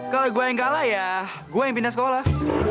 kalau gue yang kalah ya gue yang pindah sekolah